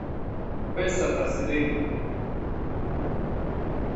pesa taslim